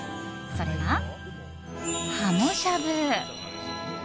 それが、鱧しゃぶ。